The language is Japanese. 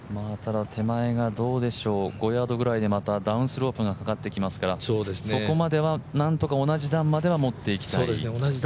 手前が５ヤードぐらいでダウンスロープがかかってきますから、そこまではなんとか同じ段までは持っていきたい。